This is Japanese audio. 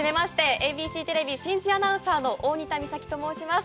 ＡＢＣテレビ新人アナウンサーの大仁田美咲と申します。